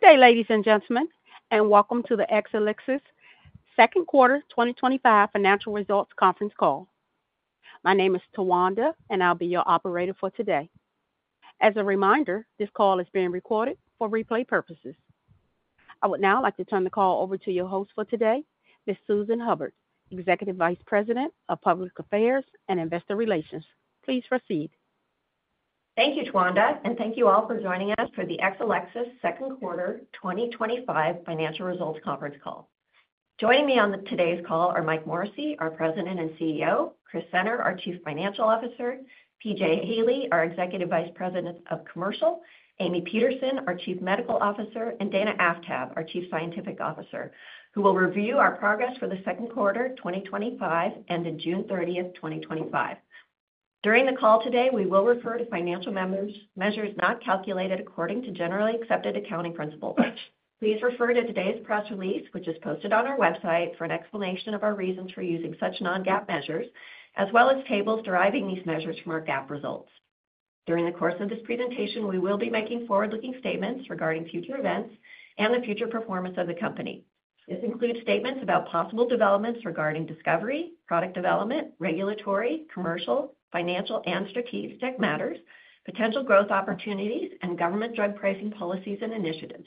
Good day, ladies and gentlemen, and welcome to the Exelixis second quarter 2025 financial results conference call. My name is Tawanda, and I'll be your operator for today. As a reminder, this call is being recorded for replay purposes. I would now like to turn the call over to your host for today, Ms. Susan Hubbard, Executive Vice President of Public Affairs and Investor Relations. Please proceed. Thank you, Tawanda, and thank you all for joining us for the Exelixis second quarter 2025 financial results conference call. Joining me on today's call are Mike Morrissey, our President and CEO, Chris Senner, our Chief Financial Officer, P.J. Haley, our Executive Vice President of Commercial, Amy Peterson, our Chief Medical Officer, and Dana Aftab, our Chief Scientific Officer, who will review our progress for the second quarter 2025 ended June 30, 2025. During the call today, we will refer to financial measures not calculated according to generally accepted accounting principles. Please refer to today's press release, which is posted on our website, for an explanation of our reasons for using such non-GAAP measures, as well as tables deriving these measures from our GAAP results. During the course of this presentation, we will be making forward-looking statements regarding future events and the future performance of the company. This includes statements about possible developments regarding discovery, product development, regulatory, commercial, financial, and strategic matters, potential growth opportunities, and government drug pricing policies and initiatives.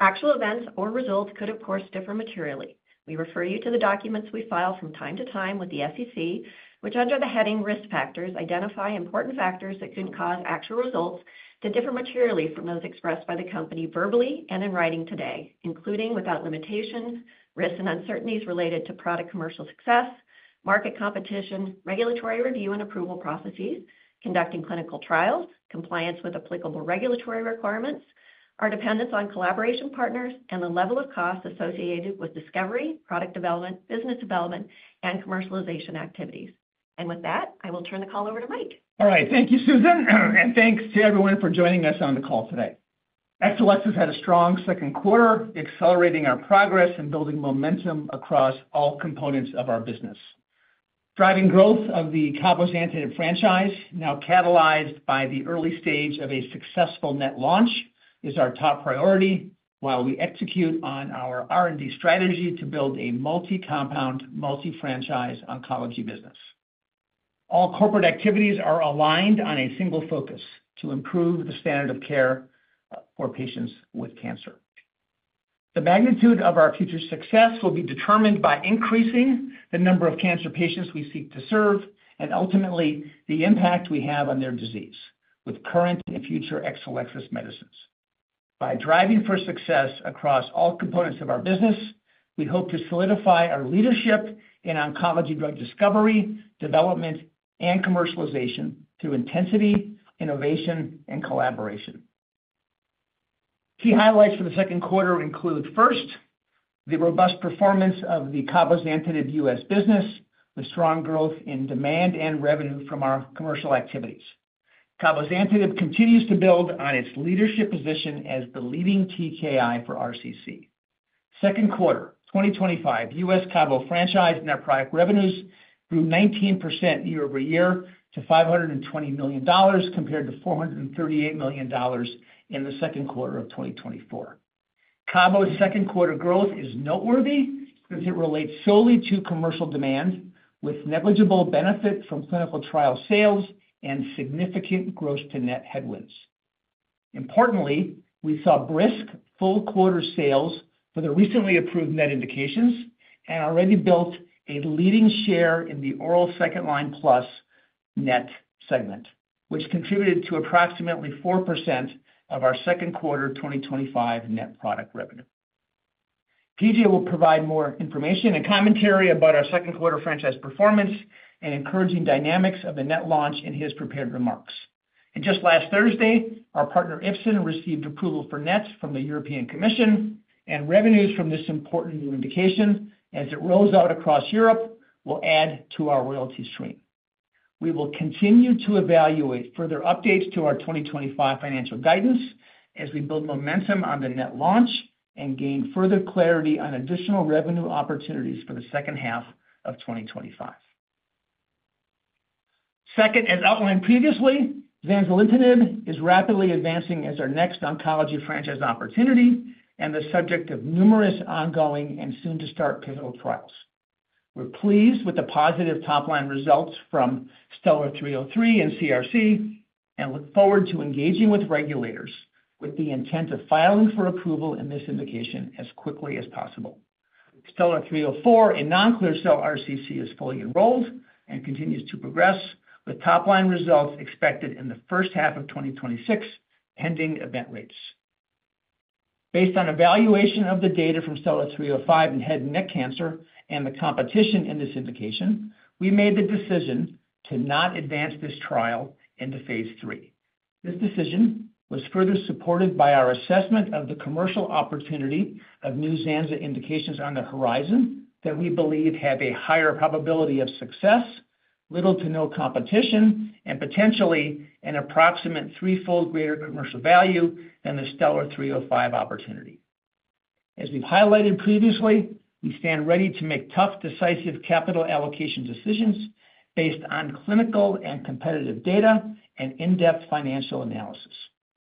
Actual events or results could, of course, differ materially. We refer you to the documents we file from time to time with the SEC, which, under the heading Risk Factors, identify important factors that could cause actual results to differ materially from those expressed by the company verbally and in writing today, including without limitations, risks and uncertainties related to product commercial success, market competition, regulatory review and approval processes, conducting clinical trials, compliance with applicable regulatory requirements, our dependence on collaboration partners, and the level of costs associated with discovery, product development, business development, and commercialization activities. With that, I will turn the call over to Mike. All right. Thank you, Susan. And thanks to everyone for joining us on the call today. Exelixis had a strong second quarter, accelerating our progress and building momentum across all components of our business. Driving growth of the cabozantinib franchise, now catalyzed by the early stage of a successful NET launch, is our top priority while we execute on our R&D strategy to build a multi-compound, multi-franchise oncology business. All corporate activities are aligned on a single focus: to improve the standard of care for patients with cancer. The magnitude of our future success will be determined by increasing the number of cancer patients we seek to serve and ultimately the impact we have on their disease with current and future Exelixis medicines. By driving for success across all components of our business, we hope to solidify our leadership in oncology drug discovery, development, and commercialization through intensity, innovation, and collaboration. Key highlights for the second quarter include, first, the robust performance of the cabozantinib U.S. business with strong growth in demand and revenue from our commercial activities. Cabozantinib continues to build on its leadership position as the leading TKI for RCC. Second quarter 2025 U.S. Cabo franchise and our product revenues grew 19% year over year to $520 million, compared to $438 million in the second quarter of 2024. Cabo's second quarter growth is noteworthy since it relates solely to commercial demand, with negligible benefit from clinical trial sales and significant gross-to-net headwinds. Importantly, we saw brisk full-quarter sales for the recently approved NET indications and already built a leading share in the oral second-line plus NET segment, which contributed to approximately 4% of our second quarter 2025 net product revenue. P.J. will provide more information and commentary about our second quarter franchise performance and encouraging dynamics of the NET launch in his prepared remarks. Just last Thursday, our partner Ipsen received approval for NETs from the European Commission, and revenues from this important new indication, as it rolls out across Europe, will add to our royalty stream. We will continue to evaluate further updates to our 2025 financial guidance as we build momentum on the NET launch and gain further clarity on additional revenue opportunities for the second half of 2025. Second, as outlined previously, zanzalintinib is rapidly advancing as our next oncology franchise opportunity and the subject of numerous ongoing and soon-to-start pivotal trials. We're pleased with the positive top-line results from STELLAR-303 in CRC and look forward to engaging with regulators with the intent of filing for approval in this indication as quickly as possible. STELLAR-304, a non-clear cell RCC, is fully enrolled and continues to progress, with top-line results expected in the first half of 2026, pending event rates. Based on evaluation of the data from STELLAR-305 in head and neck cancer and the competition in this indication, we made the decision to not advance this trial into phase three. This decision was further supported by our assessment of the commercial opportunity of new zanza indications on the horizon that we believe have a higher probability of success, little to no competition, and potentially an approximate threefold greater commercial value than the STELLAR-305 opportunity. As we've highlighted previously, we stand ready to make tough, decisive capital allocation decisions based on clinical and competitive data and in-depth financial analysis.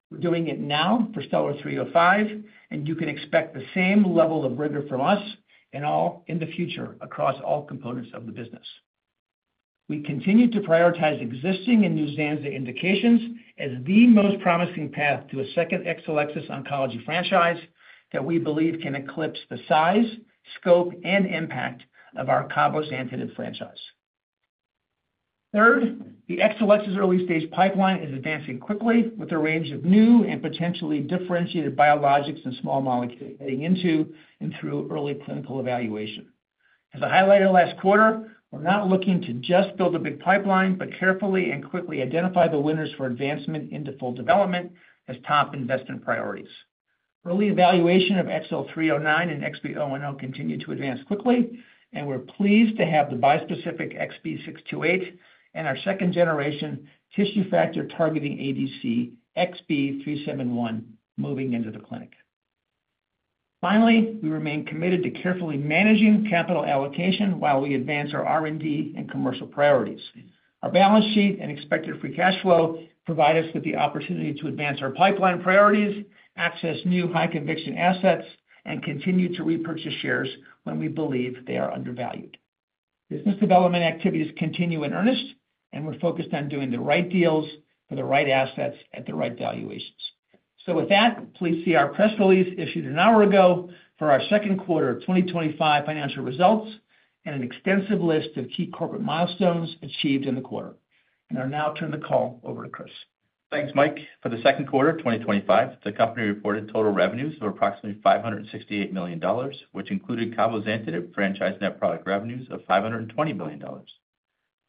We're doing it now for STELLAR-305, and you can expect the same level of rigor from us in the future across all components of the business. We continue to prioritize existing and new zanza indications as the most promising path to a second Exelixis oncology franchise that we believe can eclipse the size, scope, and impact of our cabozantinib franchise. Third, the Exelixis early-stage pipeline is advancing quickly with a range of new and potentially differentiated biologics and small molecules heading into and through early clinical evaluation. As I highlighted last quarter, we're not looking to just build a big pipeline, but carefully and quickly identify the winners for advancement into full development as top investment priorities. Early evaluation of XL309 and XB010 continue to advance quickly, and we're pleased to have the bispecific XB628 and our second-generation tissue factor-targeting ADC XB371 moving into the clinic. Finally, we remain committed to carefully managing capital allocation while we advance our R&D and commercial priorities. Our balance sheet and expected free cash flow provide us with the opportunity to advance our pipeline priorities, access new high-conviction assets, and continue to repurchase shares when we believe they are undervalued. Business development activities continue in earnest, and we're focused on doing the right deals for the right assets at the right valuations. Please see our press release issued an hour ago for our second quarter 2025 financial results and an extensive list of key corporate milestones achieved in the quarter. I'll now turn the call over to Chris. Thanks, Mike. For the second quarter of 2025, the company reported total revenues of approximately $568 million, which included cabozantinib franchise net product revenues of $520 million.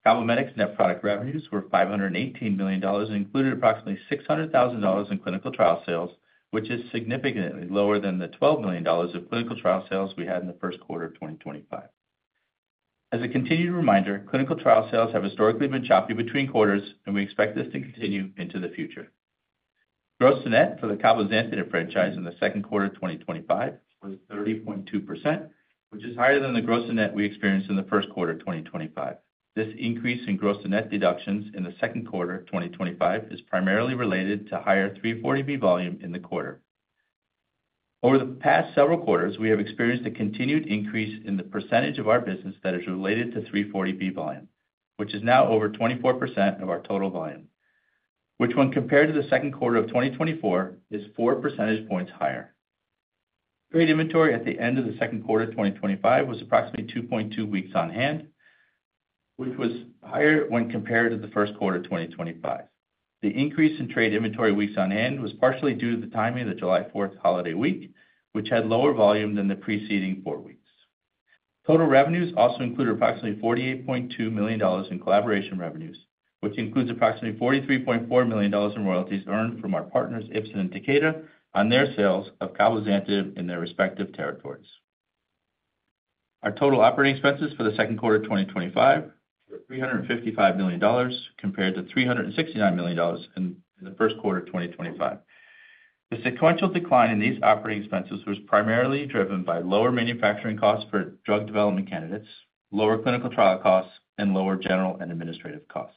CABOMETYX net product revenues were $518 million and included approximately $600,000 in clinical trial sales, which is significantly lower than the $12 million of clinical trial sales we had in the first quarter of 2025. As a continued reminder, clinical trial sales have historically been choppy between quarters, and we expect this to continue into the future. Gross-to-net for the cabozantinib franchise in the second quarter of 2025 was 30.2%, which is higher than the gross-to-net we experienced in the first quarter of 2025. This increase in gross-to-net deductions in the second quarter of 2025 is primarily related to higher 340B volume in the quarter. Over the past several quarters, we have experienced a continued increase in the percentage of our business that is related to 340B volume, which is now over 24% of our total volume, which, when compared to the second quarter of 2024, is four percentage points higher. Trade inventory at the end of the second quarter of 2025 was approximately 2.2 weeks on hand, which was higher when compared to the first quarter of 2025. The increase in trade inventory weeks on hand was partially due to the timing of the July 4 holiday week, which had lower volume than the preceding four weeks. Total revenues also included approximately $48.2 million in collaboration revenues, which includes approximately $43.4 million in royalties earned from our partners Ipsen and Takeda on their sales of cabozantinib in their respective territories. Our total operating expenses for the second quarter of 2025 were $355 million, compared to $369 million in the first quarter of 2025. The sequential decline in these operating expenses was primarily driven by lower manufacturing costs for drug development candidates, lower clinical trial costs, and lower general and administrative costs.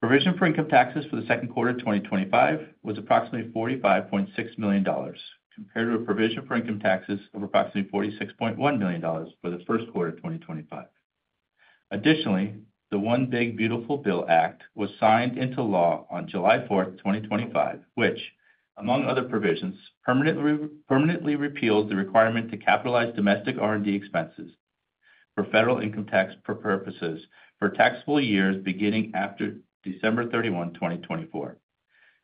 Provision for income taxes for the second quarter of 2025 was approximately $45.6 million, compared to a provision for income taxes of approximately $46.1 million for the first quarter of 2025. Additionally, the One Big Beautiful Bill Act was signed into law on July 4, 2025, which, among other provisions, permanently repeals the requirement to capitalize domestic R&D expenses for federal income tax purposes for taxable years beginning after December 31, 2024,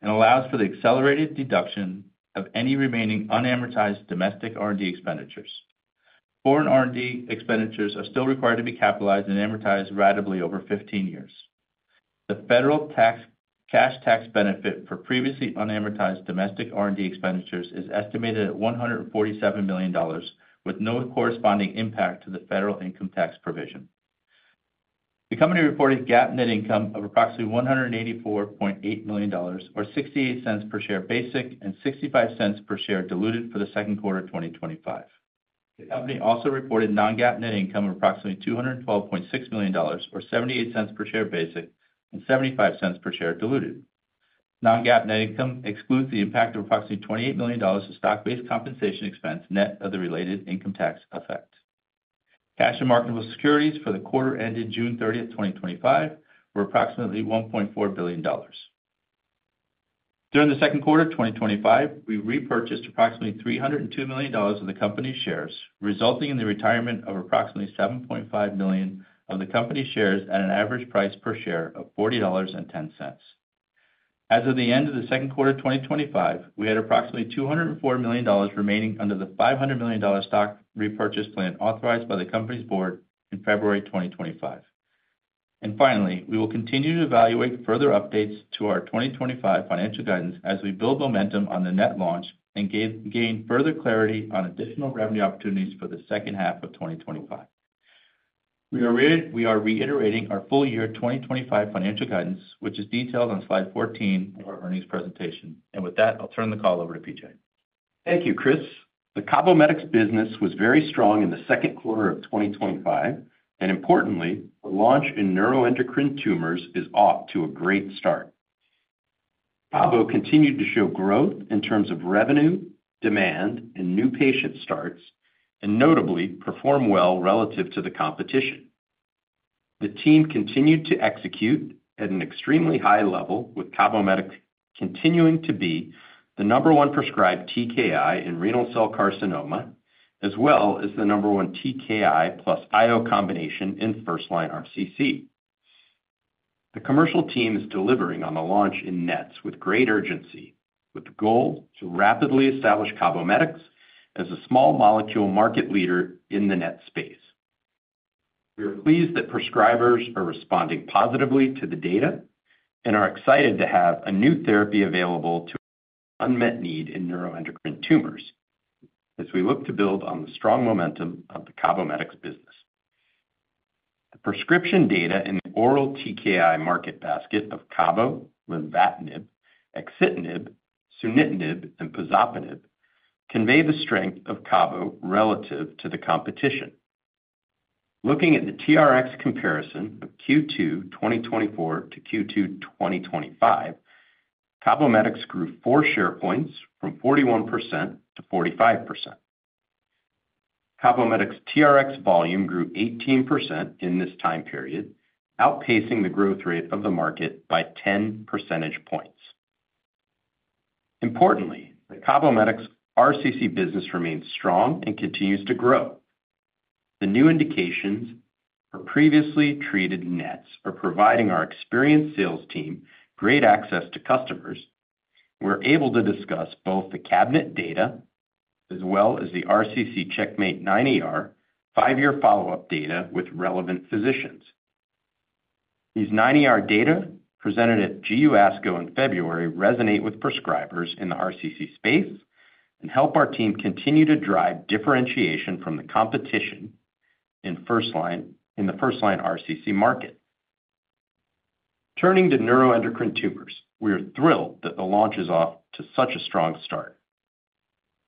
and allows for the accelerated deduction of any remaining unamortized domestic R&D expenditures. Foreign R&D expenditures are still required to be capitalized and amortized ratably over 15 years. The federal cash tax benefit for previously unamortized domestic R&D expenditures is estimated at $147 million, with no corresponding impact to the federal income tax provision. The company reported GAAP net income of approximately $184.8 million, or $0.68 per share basic, and $0.65 per share diluted for the second quarter of 2025. The company also reported non-GAAP net income of approximately $212.6 million, or $0.78 per share basic, and $0.75 per share diluted. Non-GAAP net income excludes the impact of approximately $28 million of stock-based compensation expense net of the related income tax effect. Cash and marketable securities for the quarter ended June 30, 2025, were approximately $1.4 billion. During the second quarter of 2025, we repurchased approximately $302 million of the company's shares, resulting in the retirement of approximately 7.5 million of the company's shares at an average price per share of $40.10. As of the end of the second quarter of 2025, we had approximately $204 million remaining under the $500 million stock repurchase plan authorized by the company's board in February 2025. We will continue to evaluate further updates to our 2025 financial guidance as we build momentum on the net launch and gain further clarity on additional revenue opportunities for the second half of 2025. We are reiterating our full year 2025 financial guidance, which is detailed on slide 14 of our earnings presentation. With that, I'll turn the call over to P.J. Thank you, Chris. The CABOMETYX business was very strong in the second quarter of 2025, and importantly, the launch in neuroendocrine tumors is off to a great start. Cabo continued to show growth in terms of revenue, demand, and new patient starts, and notably performed well relative to the competition. The team continued to execute at an extremely high level, with CABOMETYX continuing to be the number one prescribed TKI in renal cell carcinoma, as well as the number one TKI plus IO combination in first-line RCC. The commercial team is delivering on the launch in NETs with great urgency, with the goal to rapidly establish CABOMETYX as a small molecule market leader in the NET space. We are pleased that prescribers are responding positively to the data and are excited to have a new therapy available to unmet need in neuroendocrine tumors as we look to build on the strong momentum of the CABOMETYX business. The prescription data in the oral TKI market basket of cabo, lenvatinib, axitinib, sunitinib, and pazopanib convey the strength of cabo relative to the competition. Looking at the TRX comparison of Q2 2024 to Q2 2025, CABOMETYX grew four share points from 41% to 45%. CABOMETYX TRX volume grew 18% in this time period, outpacing the growth rate of the market by 10 percentage points. Importantly, the CABOMETYX RCC business remains strong and continues to grow. The new indications for previously treated NETs are providing our experienced sales team great access to customers, and we're able to discuss both the cabinet data as well as the RCC CheckMate 9ER five-year follow-up data with relevant physicians. These 9ER data presented at GU ASCO in February resonate with prescribers in the RCC space and help our team continue to drive differentiation from the competition in the first-line RCC market. Turning to neuroendocrine tumors, we are thrilled that the launch is off to such a strong start.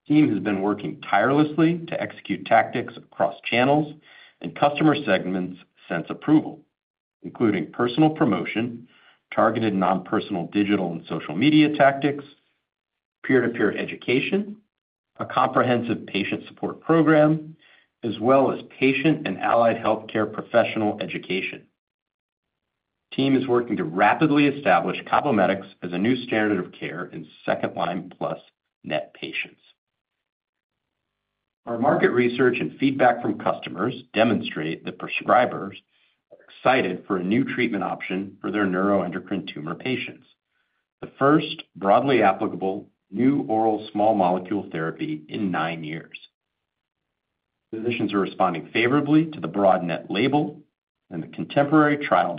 The team has been working tirelessly to execute tactics across channels and customer segments since approval, including personal promotion, targeted non-personal digital and social media tactics, peer-to-peer education, a comprehensive patient support program, as well as patient and allied healthcare professional education. The team is working to rapidly establish CABOMETYX as a new standard of care in second-line plus NET patients. Our market research and feedback from customers demonstrate that prescribers are excited for a new treatment option for their neuroendocrine tumor patients, the first broadly applicable new oral small molecule therapy in nine years. Physicians are responding favorably to the broad NET label and the contemporary trial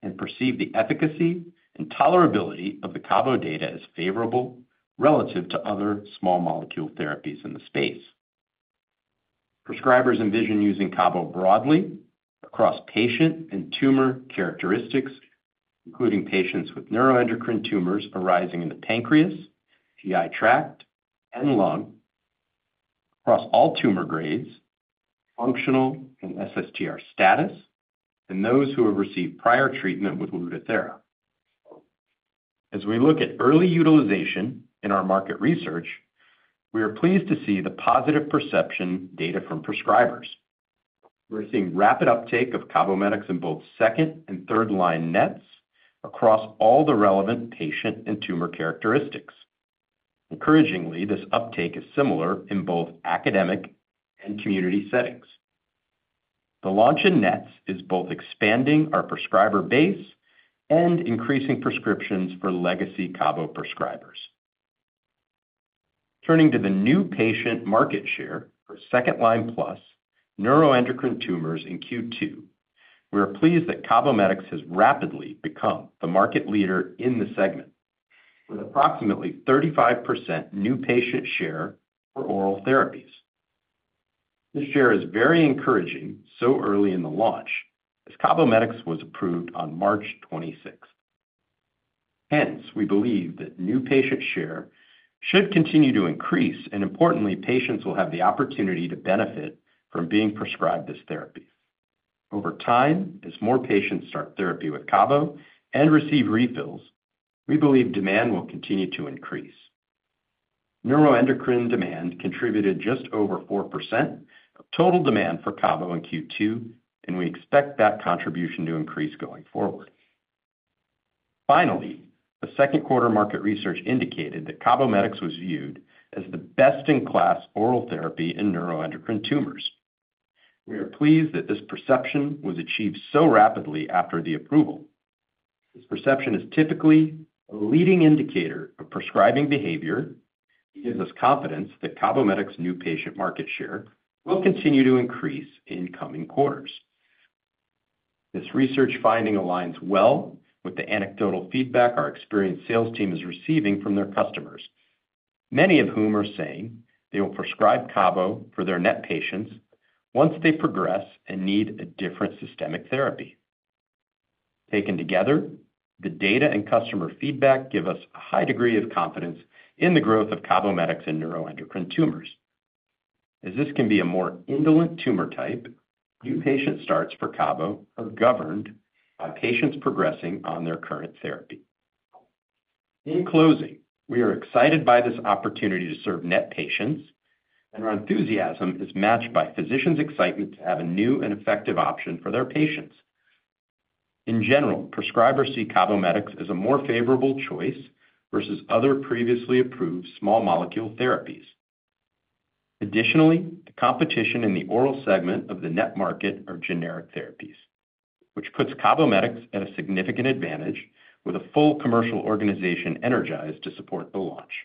design and perceive the efficacy and tolerability of the cabo data as favorable relative to other small molecule therapies in the space. Prescribers envision using cabo broadly across patient and tumor characteristics, including patients with neuroendocrine tumors arising in the pancreas, GI tract, and lung, across all tumor grades, functional and SSTR status, and those who have received prior treatment with Lutathera. As we look at early utilization in our market research, we are pleased to see the positive perception data from prescribers. We're seeing rapid uptake of CABOMETYX in both second and third-line NETs across all the relevant patient and tumor characteristics. Encouragingly, this uptake is similar in both academic and community settings. The launch in NETs is both expanding our prescriber base and increasing prescriptions for legacy cabo prescribers. Turning to the new patient market share for second-line plus neuroendocrine tumors in Q2, we are pleased that CABOMETYX has rapidly become the market leader in the segment, with approximately 35% new patient share for oral therapies. This share is very encouraging so early in the launch as CABOMETYX was approved on March 26. Hence, we believe that new patient share should continue to increase, and importantly, patients will have the opportunity to benefit from being prescribed this therapy. Over time, as more patients start therapy with cabo and receive refills, we believe demand will continue to increase. Neuroendocrine demand contributed just over 4% of total demand for cabo in Q2, and we expect that contribution to increase going forward. Finally, the second quarter market research indicated that CABOMETYX was viewed as the best-in-class oral therapy in neuroendocrine tumors. We are pleased that this perception was achieved so rapidly after the approval. This perception is typically a leading indicator of prescribing behavior and gives us confidence that CABOMETYX's new patient market share will continue to increase in coming quarters. This research finding aligns well with the anecdotal feedback our experienced sales team is receiving from their customers, many of whom are saying they will prescribe cabo for their NET patients once they progress and need a different systemic therapy. Taken together, the data and customer feedback give us a high degree of confidence in the growth of CABOMETYX in neuroendocrine tumors. As this can be a more indolent tumor type, new patient starts for cabo are governed by patients progressing on their current therapy. In closing, we are excited by this opportunity to serve NET patients, and our enthusiasm is matched by physicians' excitement to have a new and effective option for their patients. In general, prescribers see CABOMETYX as a more favorable choice versus other previously approved small molecule therapies. Additionally, the competition in the oral segment of the NET market are generic therapies, which puts CABOMETYX at a significant advantage, with a full commercial organization energized to support the launch.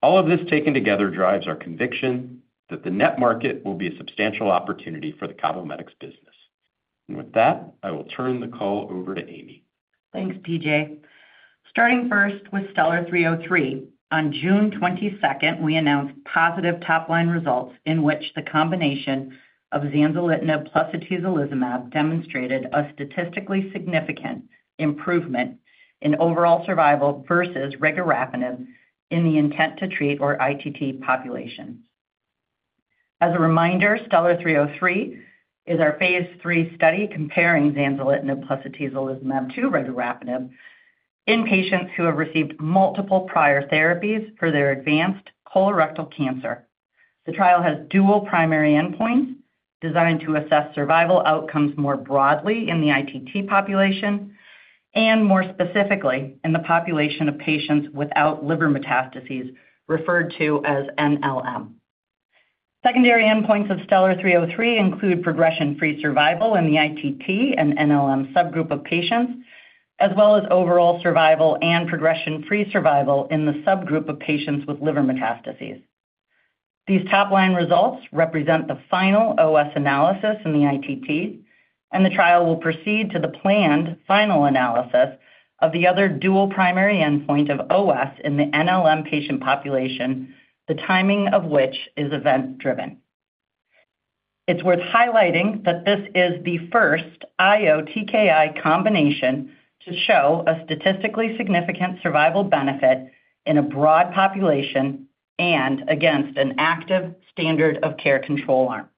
All of this taken together drives our conviction that the NET market will be a substantial opportunity for the CABOMETYX business. With that, I will turn the call over to Amy. Thanks, P.J. Starting first with STELLAR-303. On June 22, we announced positive top-line results in which the combination of zanzalintinib plus atezolizumab demonstrated a statistically significant improvement in overall survival versus regorafenib in the intent-to-treat or ITT population. As a reminder, STELLAR-303 is our phase three study comparing zanzalintinib plus atezolizumab to regorafenib in patients who have received multiple prior therapies for their advanced colorectal cancer. The trial has dual primary endpoints designed to assess survival outcomes more broadly in the ITT population and more specifically in the population of patients without liver metastases, referred to as NLM. Secondary endpoints of STELLAR-303 include progression-free survival in the ITT and NLM subgroup of patients, as well as overall survival and progression-free survival in the subgroup of patients with liver metastases. These top-line results represent the final OS analysis in the ITT, and the trial will proceed to the planned final analysis of the other dual primary endpoint of OS in the NLM patient population, the timing of which is event-driven. It's worth highlighting that this is the first IO-TKI combination to show a statistically significant survival benefit in a broad population and against an active standard of care control arm.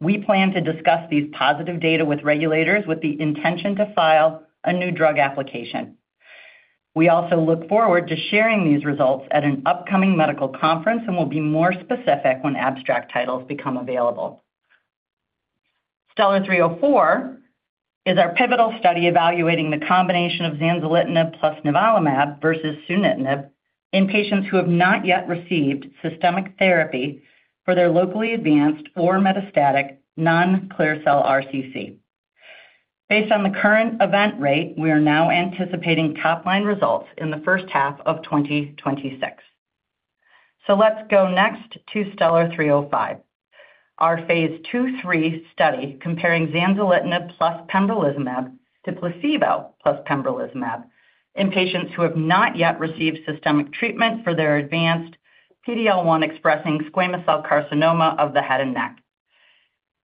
We plan to discuss these positive data with regulators with the intention to file a new drug application. We also look forward to sharing these results at an upcoming medical conference and will be more specific when abstract titles become available. STELLAR-304 is our pivotal study evaluating the combination of zanzalintinib plus nivolumab versus sunitinib in patients who have not yet received systemic therapy for their locally advanced or metastatic non-clear cell RCC. Based on the current event rate, we are now anticipating top-line results in the first half of 2026. Let's go next to STELLAR-305, our phase two/three study comparing zanzalintinib plus pembrolizumab to placebo plus pembrolizumab in patients who have not yet received systemic treatment for their advanced PD-L1 expressing squamous cell carcinoma of the head and neck.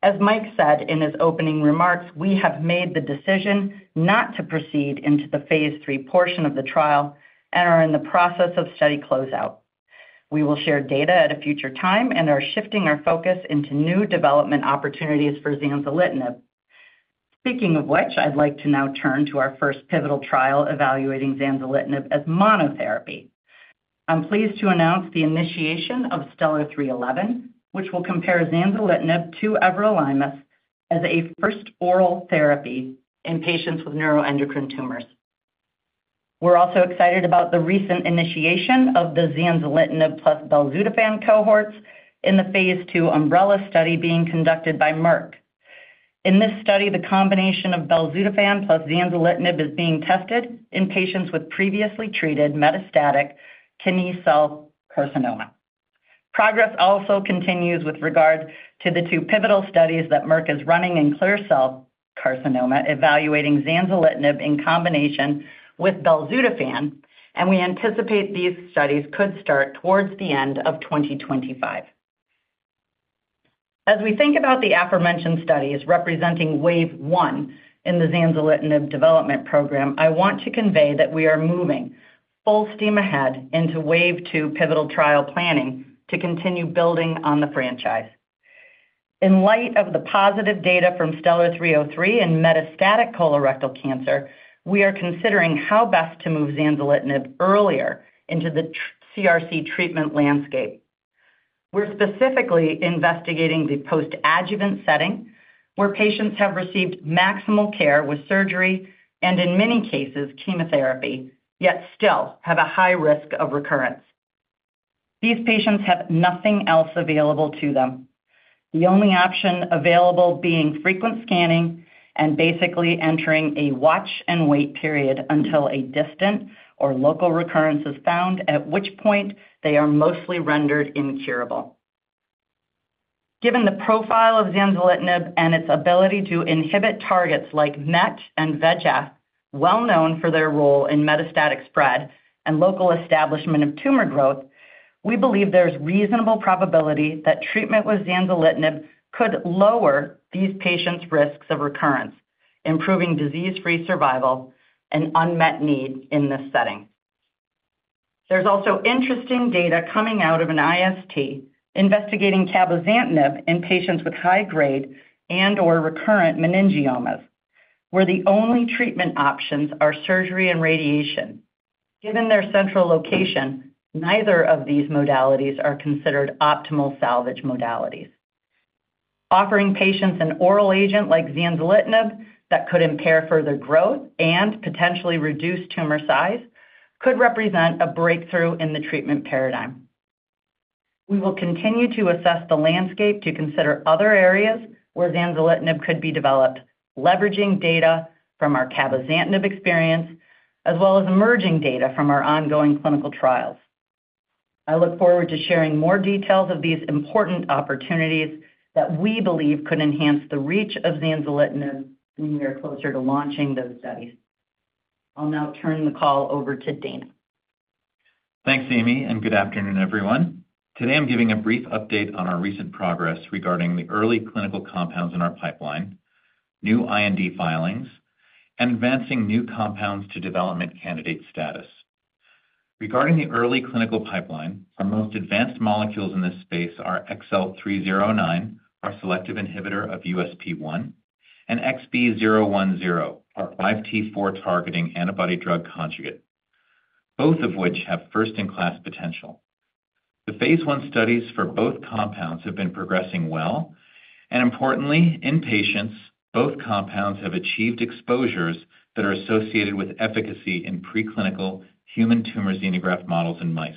As Mike said in his opening remarks, we have made the decision not to proceed into the phase three portion of the trial and are in the process of study closeout. We will share data at a future time and are shifting our focus into new development opportunities for zanzalintinib. Speaking of which, I'd like to now turn to our first pivotal trial evaluating zanzalintinib as monotherapy. I'm pleased to announce the initiation of STELLAR-311, which will compare zanzalintinib to everolimus as a first oral therapy in patients with neuroendocrine tumors. We're also excited about the recent initiation of the zanzalintinib plus belzutifan cohorts in the phase two umbrella study being conducted by Merck. In this study, the combination of belzutifan plus zanzalintinib is being tested in patients with previously treated metastatic kidney cell carcinoma. Progress also continues with regard to the two pivotal studies that Merck is running in clear cell carcinoma evaluating zanzalintinib in combination with belzutifan, and we anticipate these studies could start towards the end of 2025. As we think about the aforementioned studies representing wave one in the zanzalintinib development program, I want to convey that we are moving full steam ahead into wave two pivotal trial planning to continue building on the franchise. In light of the positive data from STELLAR-303 in metastatic colorectal cancer, we are considering how best to move zanzalintinib earlier into the CRC treatment landscape. We're specifically investigating the post-adjuvant setting where patients have received maximal care with surgery and, in many cases, chemotherapy, yet still have a high risk of recurrence. These patients have nothing else available to them, the only option available being frequent scanning and basically entering a watch-and-wait period until a distant or local recurrence is found, at which point they are mostly rendered incurable. Given the profile of zanzalintinib and its ability to inhibit targets like MET and VEGF, well-known for their role in metastatic spread and local establishment of tumor growth, we believe there's reasonable probability that treatment with zanzalintinib could lower these patients' risks of recurrence, improving disease-free survival and unmet need in this setting. There's also interesting data coming out of an IST investigating cabozantinib in patients with high-grade and/or recurrent meningiomas, where the only treatment options are surgery and radiation. Given their central location, neither of these modalities are considered optimal salvage modalities. Offering patients an oral agent like zanzalintinib that could impair further growth and potentially reduce tumor size could represent a breakthrough in the treatment paradigm. We will continue to assess the landscape to consider other areas where zanzalintinib could be developed, leveraging data from our cabozantinib experience, as well as emerging data from our ongoing clinical trials. I look forward to sharing more details of these important opportunities that we believe could enhance the reach of zanzalintinib when we are closer to launching those studies. I'll now turn the call over to Dana. Thanks, Amy, and good afternoon, everyone. Today, I'm giving a brief update on our recent progress regarding the early clinical compounds in our pipeline, new IND filings, and advancing new compounds to development candidate status. Regarding the early clinical pipeline, our most advanced molecules in this space are XL309, our selective inhibitor of USP1, and XB010, our 5T4 targeting antibody drug conjugate, both of which have first-in-class potential. The phase one studies for both compounds have been progressing well, and importantly, in patients, both compounds have achieved exposures that are associated with efficacy in preclinical human tumor xenograft models in mice.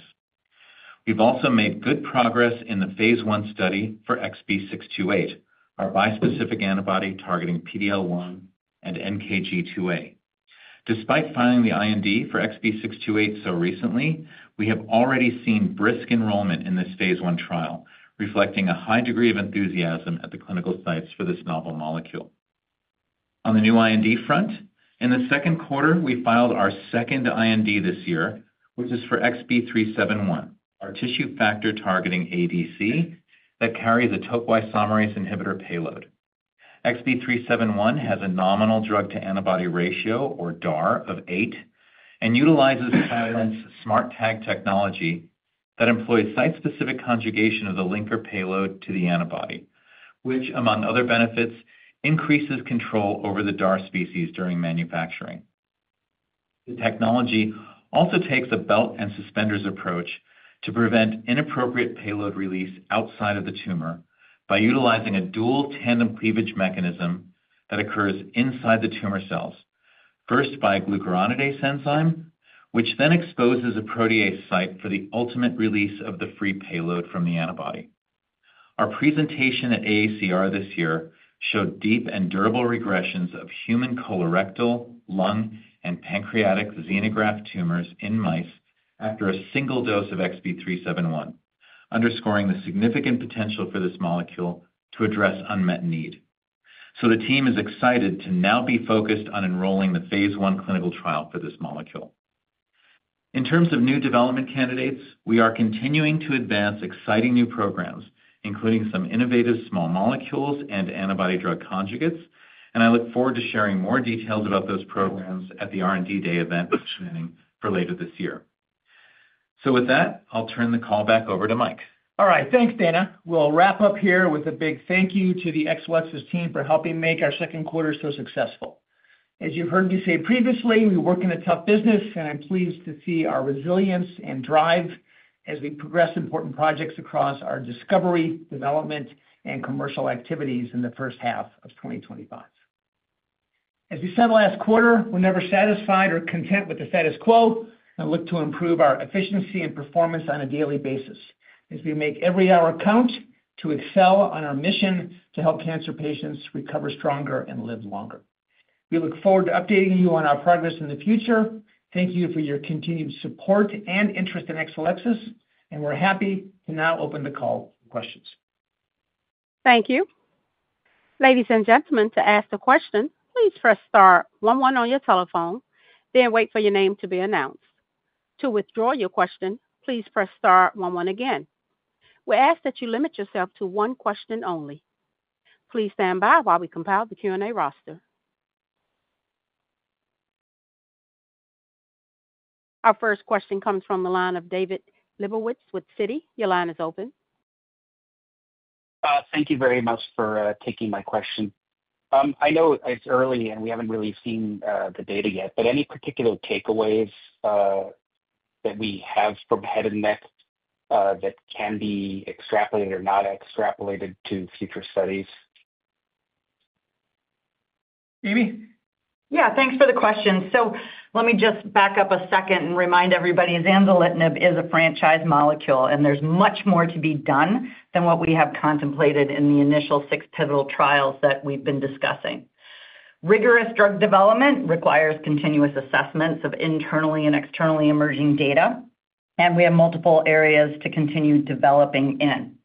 We've also made good progress in the phase one study for XB628, our bispecific antibody targeting PD-L1 and NKG2A. Despite filing the IND for XB628 so recently, we have already seen brisk enrollment in this phase one trial, reflecting a high degree of enthusiasm at the clinical sites for this novel molecule. On the new IND front, in the second quarter, we filed our second IND this year, which is for XB371, our tissue factor targeting ADC that carries a topoisomerase inhibitor payload. XB371 has a nominal drug-to-antibody ratio, or DAR, of eight and utilizes Catalent's SMARTag technology that employs site-specific conjugation of the linker payload to the antibody, which, among other benefits, increases control over the DAR species during manufacturing. The technology also takes a belt and suspenders approach to prevent inappropriate payload release outside of the tumor by utilizing a dual tandem cleavage mechanism that occurs inside the tumor cells, first by a glucuronidase enzyme, which then exposes a protease site for the ultimate release of the free payload from the antibody. Our presentation at AACR this year showed deep and durable regressions of human colorectal, lung, and pancreatic xenograft tumors in mice after a single dose of XB371, underscoring the significant potential for this molecule to address unmet need. The team is excited to now be focused on enrolling the phase one clinical trial for this molecule. In terms of new development candidates, we are continuing to advance exciting new programs, including some innovative small molecules and antibody drug conjugates, and I look forward to sharing more details about those programs at the R&D day event in Channing for later this year. With that, I'll turn the call back over to Mike. All right, thanks, Dana. We'll wrap up here with a big thank you to the Exelixis team for helping make our second quarter so successful. As you've heard me say previously, we work in a tough business, and I'm pleased to see our resilience and drive as we progress important projects across our discovery, development, and commercial activities in the first half of 2025. As we said last quarter, we're never satisfied or content with the status quo and look to improve our efficiency and performance on a daily basis as we make every hour count to excel on our mission to help cancer patients recover stronger and live longer. We look forward to updating you on our progress in the future. Thank you for your continued support and interest in Exelixis, and we're happy to now open the call for questions. Thank you. Ladies and gentlemen, to ask a question, please press star 11 on your telephone, then wait for your name to be announced. To withdraw your question, please press star 11 again. We ask that you limit yourself to one question only. Please stand by while we compile the Q&A roster. Our first question comes from the line of David Lebovitz with Citi. Your line is open. Thank you very much for taking my question. I know it's early and we haven't really seen the data yet, but any particular takeaways that we have from head and neck that can be extrapolated or not extrapolated to future studies? Amy? Yeah, thanks for the question. Let me just back up a second and remind everybody zanzalintinib is a franchise molecule, and there's much more to be done than what we have contemplated in the initial six pivotal trials that we've been discussing. Rigorous drug development requires continuous assessments of internally and externally emerging data, and we have multiple areas to continue developing in.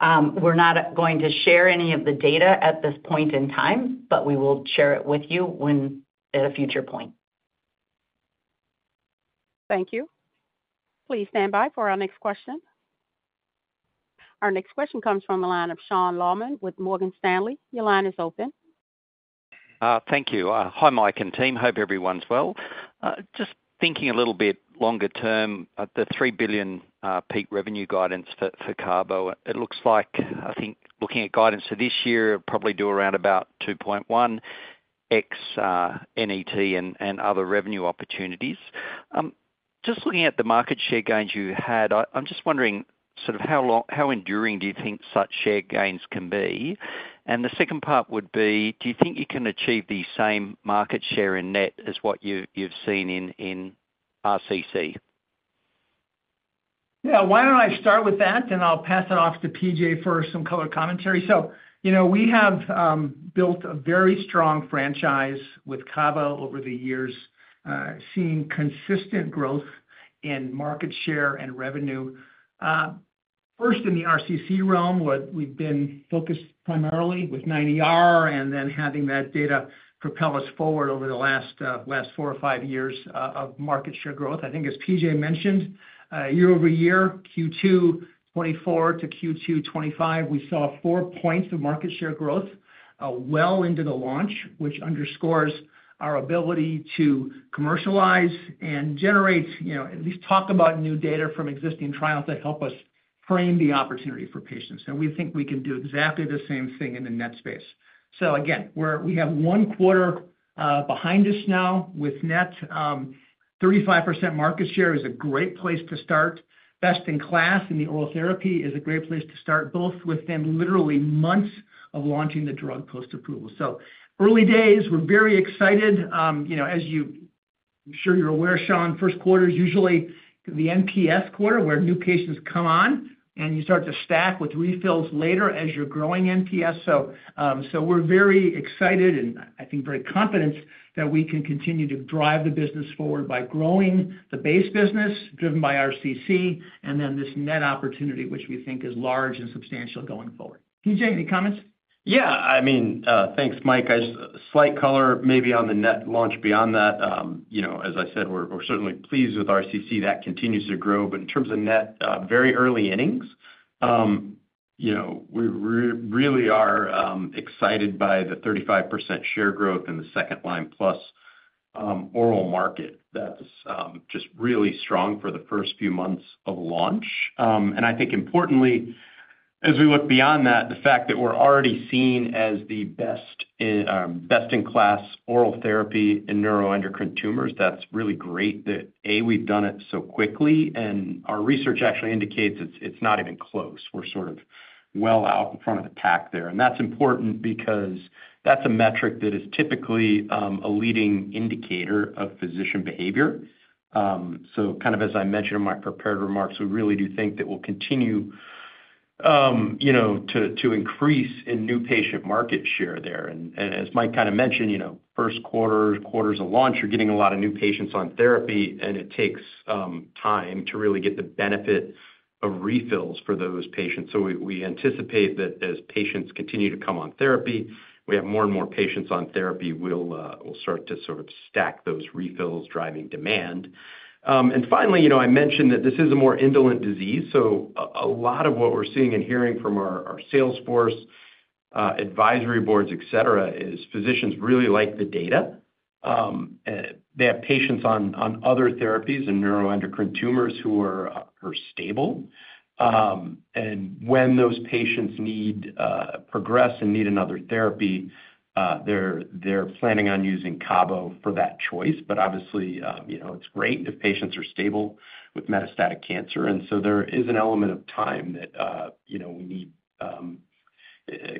We're not going to share any of the data at this point in time, but we will share it with you at a future point. Thank you. Please stand by for our next question. Our next question comes from the line of Sean Laaman with Morgan Stanley. Your line is open. Thank you. Hi, Mike and team. Hope everyone's well. Just thinking a little bit longer term, the $3 billion peak revenue guidance for cabo, it looks like, I think, looking at guidance for this year, it'll probably do around about $2.1 billion. X NET and other revenue opportunities. Just looking at the market share gains you had, I'm just wondering sort of how enduring do you think such share gains can be? The second part would be, do you think you can achieve the same market share in NET as what you've seen in RCC? Yeah, why don't I start with that, and I'll pass it off to P.J. for some color commentary. We have built a very strong franchise with cabo over the years, seeing consistent growth in market share and revenue. First, in the RCC realm, we've been focused primarily with 9OR and then having that data propel us forward over the last four or five years of market share growth. I think, as P.J. mentioned, year over year, Q2 2024 to Q2 2025, we saw four percentage points of market share growth. Well into the launch, which underscores our ability to commercialize and generate, at least talk about new data from existing trials that help us frame the opportunity for patients. We think we can do exactly the same thing in the NET space. Again, we have one quarter behind us now with NET. 35% market share is a great place to start. Best in class in the oral therapy is a great place to start, both within literally months of launching the drug post-approval. Early days, we're very excited. As you, I'm sure you're aware, Sean, first quarter is usually the NPS quarter where new patients come on and you start to stack with refills later as you're growing NPS. We're very excited and I think very confident that we can continue to drive the business forward by growing the base business driven by RCC and then this NET opportunity, which we think is large and substantial going forward. P.J., any comments? Yeah, I mean, thanks, Mike. Slight color maybe on the NET launch beyond that. As I said, we're certainly pleased with RCC that continues to grow. In terms of NET, very early innings. We really are excited by the 35% share growth in the second line plus oral market. That's just really strong for the first few months of launch. I think importantly, as we look beyond that, the fact that we're already seen as the best in class oral therapy in neuroendocrine tumors, that's really great that, A, we've done it so quickly, and our research actually indicates it's not even close. We're sort of well out in front of the pack there. That's important because that's a metric that is typically a leading indicator of physician behavior. Kind of as I mentioned in my prepared remarks, we really do think that we'll continue to increase in new patient market share there. As Mike kind of mentioned, first quarter, quarters of launch, you're getting a lot of new patients on therapy, and it takes time to really get the benefit of refills for those patients. We anticipate that as patients continue to come on therapy, we have more and more patients on therapy, we'll start to sort of stack those refills, driving demand. Finally, I mentioned that this is a more indolent disease. A lot of what we're seeing and hearing from our sales force, advisory boards, etc., is physicians really like the data. They have patients on other therapies in neuroendocrine tumors who are stable. When those patients progress and need another therapy, they're planning on using cabo for that choice. Obviously, it's great if patients are stable with metastatic cancer. There is an element of time that we need,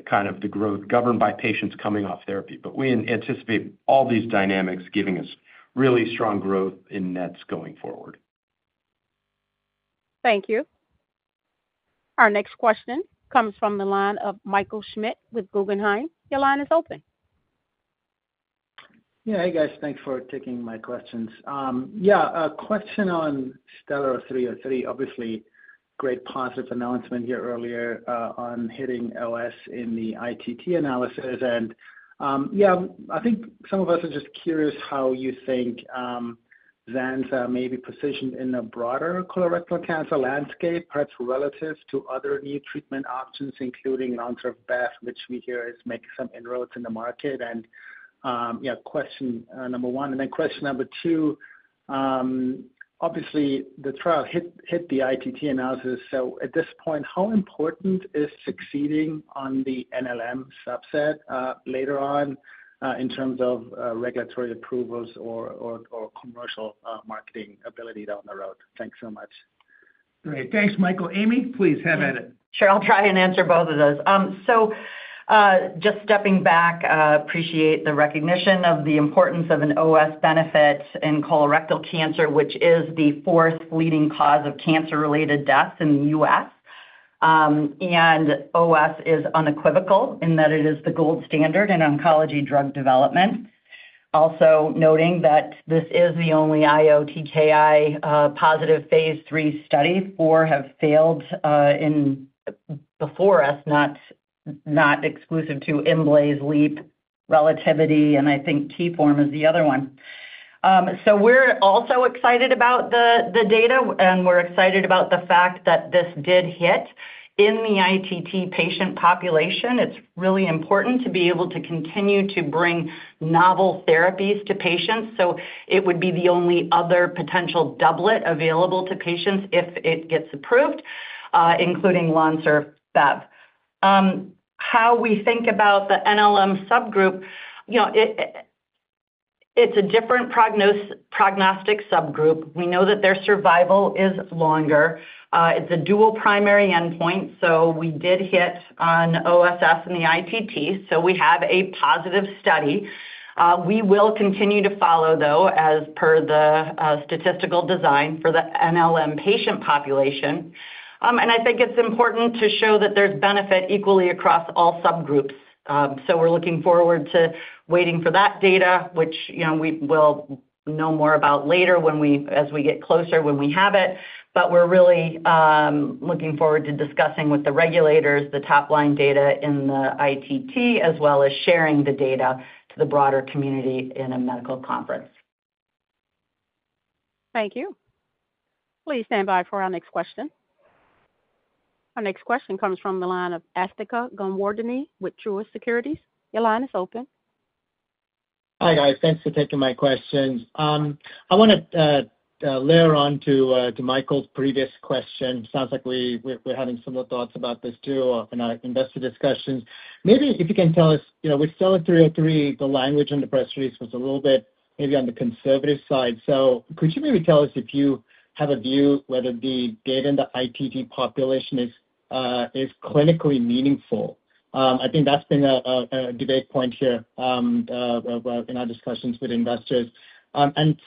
kind of the growth governed by patients coming off therapy. We anticipate all these dynamics giving us really strong growth in NETs going forward. Thank you. Our next question comes from the line of Michael Schmidt with Guggenheim. Your line is open. Yeah, hey guys, thanks for taking my questions. Yeah, a question on STELLAR-303. Obviously, great positive announcement here earlier on hitting OS in the ITT analysis. Yeah, I think some of us are just curious how you think zanza may be positioned in a broader colorectal cancer landscape, perhaps relative to other new treatment options, including non-serve BAF, which we hear is making some inroads in the market. Yeah, question number one. Then question number two. Obviously, the trial hit the ITT analysis. At this point, how important is succeeding on the NLM subset later on in terms of regulatory approvals or commercial marketing ability down the road? Thanks so much. Great. Thanks, Michael. Amy, please have at it. Sure. I'll try and answer both of those. Just stepping back, I appreciate the recognition of the importance of an OS benefit in colorectal cancer, which is the fourth leading cause of cancer-related deaths in the U.S. OS is unequivocal in that it is the gold standard in oncology drug development. Also noting that this is the only IO-TKI positive phase three study. Four have failed before us, not exclusive to ImBlaze, LEAP, Relativity, and I think T-Form is the other one. We're also excited about the data, and we're excited about the fact that this did hit in the ITT patient population. It's really important to be able to continue to bring novel therapies to patients. It would be the only other potential doublet available to patients if it gets approved, including non-serve BAF. How we think about the NLM subgroup, it's a different prognostic subgroup. We know that their survival is longer. It's a dual primary endpoint. We did hit on OS in the ITT, so we have a positive study. We will continue to follow, though, as per the statistical design for the NLM patient population. I think it's important to show that there's benefit equally across all subgroups. We're looking forward to waiting for that data, which we will know more about later as we get closer when we have it. We're really looking forward to discussing with the regulators the top-line data in the ITT, as well as sharing the data to the broader community in a medical conference. Thank you. Please stand by for our next question. Our next question comes from the line of Asthika Goonewardene with Truist Securities. Your line is open. Hi guys. Thanks for taking my questions. I want to layer on to Michael's previous question. It sounds like we're having similar thoughts about this too in our investor discussions. Maybe if you can tell us, with STELLAR-303, the language on the press release was a little bit maybe on the conservative side. Could you maybe tell us if you have a view whether the data in the ITT population is clinically meaningful? I think that's been a debate point here in our discussions with investors.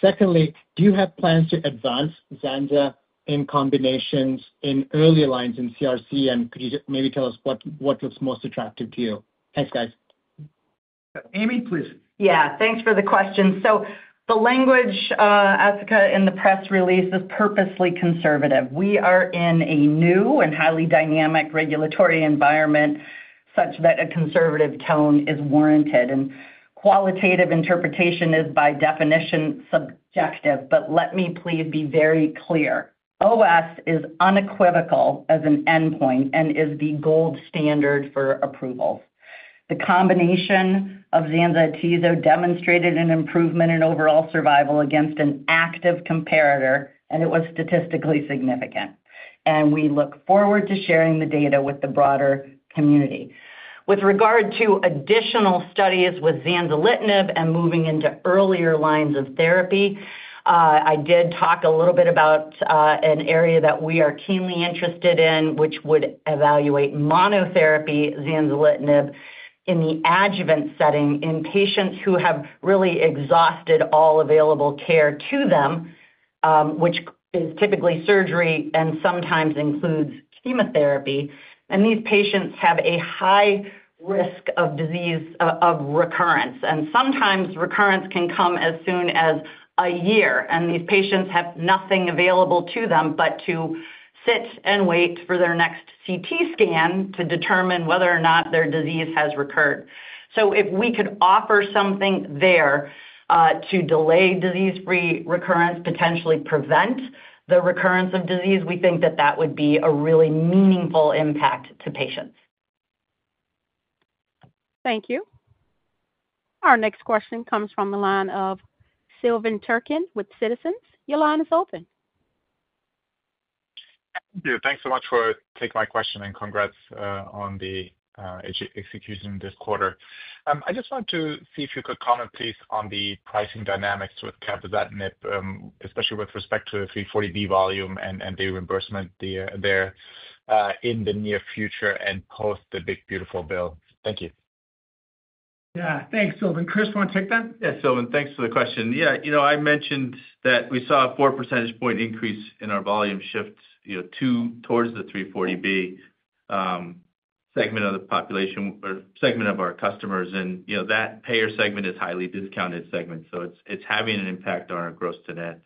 Secondly, do you have plans to advance zanza in combinations in early lines in CRC? Could you maybe tell us what looks most attractive to you? Thanks, guys. Amy, please. Yeah, thanks for the question. The language, Asthika, in the press release is purposely conservative. We are in a new and highly dynamic regulatory environment such that a conservative tone is warranted. Qualitative interpretation is, by definition, subjective. Let me please be very clear. OS is unequivocal as an endpoint and is the gold standard for approvals. The combination of zanza and tezo demonstrated an improvement in overall survival against an active comparator, and it was statistically significant. We look forward to sharing the data with the broader community. With regard to additional studies with zanzalintinib and moving into earlier lines of therapy, I did talk a little bit about an area that we are keenly interested in, which would evaluate monotherapy zanzalintinib in the adjuvant setting in patients who have really exhausted all available care to them, which is typically surgery and sometimes includes chemotherapy. These patients have a high risk of disease recurrence. Sometimes recurrence can come as soon as a year. These patients have nothing available to them but to sit and wait for their next CT scan to determine whether or not their disease has recurred. If we could offer something there to delay disease-free recurrence, potentially prevent the recurrence of disease, we think that that would be a really meaningful impact to patients. Thank you. Our next question comes from the line of Silvan Türkcan with Citizens. Your line is open. Thank you. Thanks so much for taking my question and congrats on the execution this quarter. I just wanted to see if you could comment, please, on the pricing dynamics with cabozantinib, especially with respect to the 340B volume and the reimbursement there. In the near future and post the big, beautiful bill. Thank you. Yeah. Thanks, Silvan. Chris, you want to take that? Yes, Silvan. Thanks for the question. Yeah. I mentioned that we saw a 4 percentage point increase in our volume shift to towards the 340B segment of the population or segment of our customers. That payer segment is a highly discounted segment, so it's having an impact on our gross to net.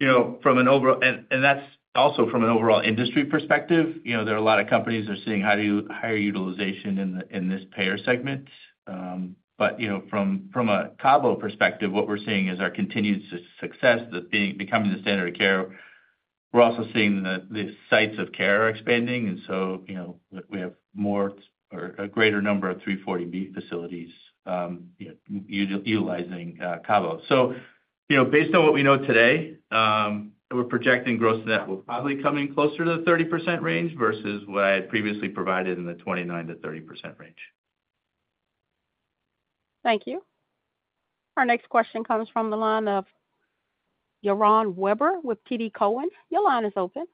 From an overall, and that's also from an overall industry perspective, there are a lot of companies that are seeing higher utilization in this payer segment. From a cabo perspective, what we're seeing is our continued success, becoming the standard of care. We're also seeing the sites of care are expanding. We have more, a greater number of 340B facilities utilizing cabo. Based on what we know today, we're projecting gross to net will probably come in closer to the 30% range versus what I had previously provided in the 29-30% range. Thank you. Our next question comes from the line of Yaron Werber with TD Cowen. Your line is open.